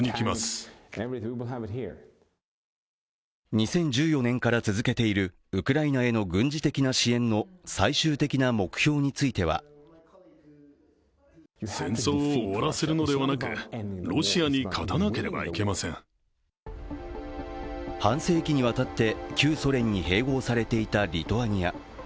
２０１４年から続けているウクライナへの軍事的な支援の最終的な目標については半世紀にわたって旧ソ連に併合されていたリトアニア。